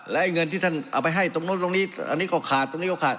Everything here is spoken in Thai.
และเงินที่ท่านเอาไปให้ตรงนู้นตรงนี้อันนี้ก็ขาดตรงนี้ก็ขาด